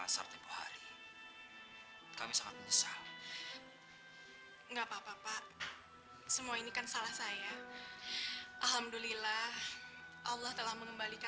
sampai jumpa di video selanjutnya